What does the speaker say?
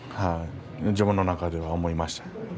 自分の中では思いました。